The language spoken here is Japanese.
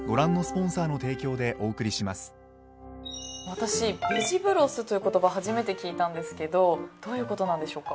私ベジブロスという言葉初めて聞いたんですけどどういうことなんでしょうか。